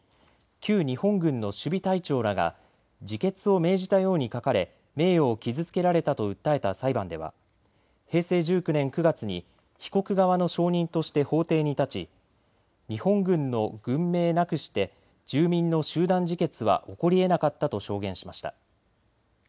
旧日本軍の守備隊長らが自決を命じたように書かれ名誉を傷つけられたと訴えた裁判では平成１９年９月に被告側の証人として法廷に立ち日本軍の軍命なくして住民の集団自決は起こりえなかったと証言しました。